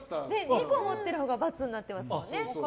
２個持ってるほうが×になってますからね。